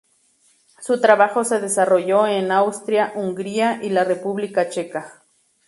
Su trabajo se desarrolló en Austria, Hungría y la República Checa.